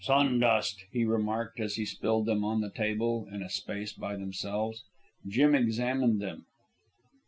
"Sun dust," he remarked, as he spilled them on the table in a space by themselves. Jim examined them.